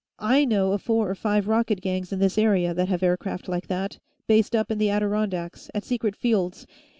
I know of four or five racket gangs in this area that have aircraft like that, based up in the Adirondacks, at secret fields.